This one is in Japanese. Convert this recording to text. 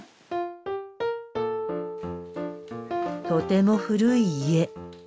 とても古い家。